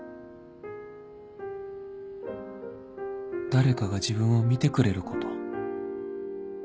誰かが自分を見てくれること